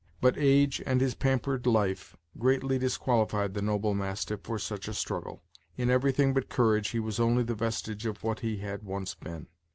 But age, and his pampered life, greatly disqualified the noble mastiff for such a struggle. In everything but courage, he was only the vestige of what he had once been.